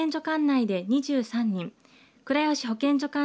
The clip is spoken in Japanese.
管内で２３人倉吉保健所